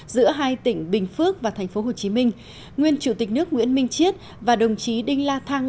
giữa hai tỉnh bình phước và tp hcm nguyên chủ tịch nước nguyễn minh chiết và đồng chí đinh la thăng